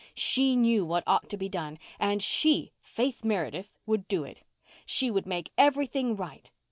She knew what ought to be done and she, Faith Meredith, would do it. She would make everything right.